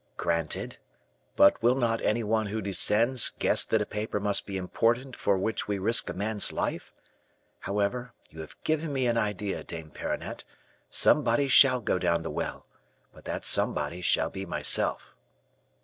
"'Granted; but will not any one who descends guess that a paper must be important for which we risk a man's life? However, you have given me an idea, Dame Perronnette; somebody shall go down the well, but that somebody shall be myself.